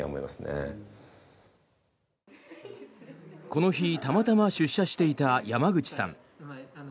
この日、たまたま出社していた山口さん。